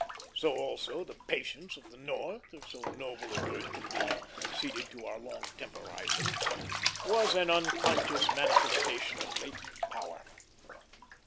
So also the patience of the North, if so noble a word can be conceded to our long temporizing, was an unconscious manifestation of latent power.